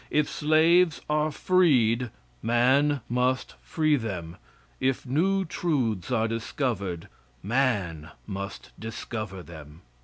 If slaves are freed, man must free them. If new truths are discovered, man must discover them.